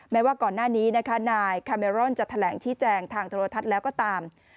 แม้ว่าก่อนหน้านี้นะคะนายคาเมรอนจะแถลงชี้แจงทางโทรทัศน์แล้วก็ตาม